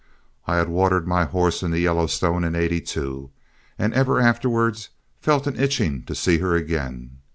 I had watered my horse in the Yellowstone in '82, and ever afterward felt an itching to see her again.